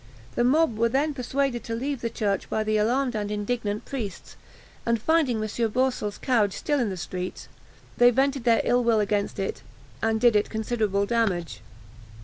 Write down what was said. The mob were then persuaded to leave the church by the alarmed and indignant priests, and finding M. Boursel's carriage still in the streets, they vented their ill will against it, and did it considerable damage.